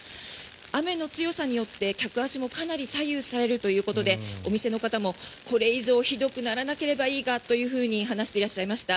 雨の強さによって客足もかなり左右されるということでお店の方も、これ以上ひどくならなければいいがと話していらっしゃいました。